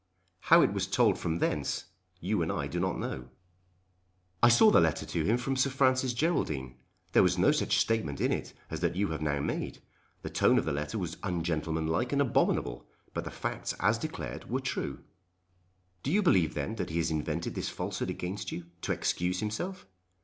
How it was told from thence you and I do not know." "I saw the letter to him from Sir Francis Geraldine. There was no such statement in it as that you have now made. The tone of the letter was ungentlemanlike and abominable; but the facts as declared were true." "Do you believe then that he has invented this falsehood against you, to excuse himself?"